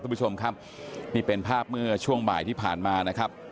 คุณผู้ชมครับนี่เป็นภาพเมื่อช่วงบ่ายที่ผ่านมานะครับ